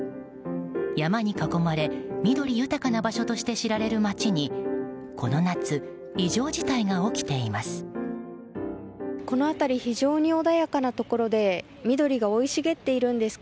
山に囲まれ緑豊かな場所として知られる街にこの夏、異常事態が起きています。